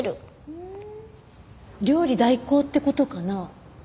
ふん料理代行って事かな？